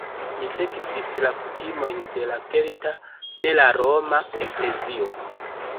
Li sekvis la kutimojn de la kelta, ne la roma, eklezio.